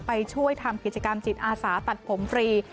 ไปช่วยทำกิจกรรมจิตอาสาตัดผมฟรี